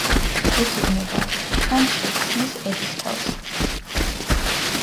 ებრძოდა შანშე ქსნის ერისთავს.